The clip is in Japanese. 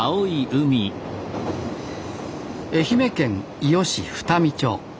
愛媛県伊予市双海町。